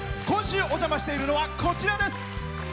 今週お邪魔しているのはこちらです！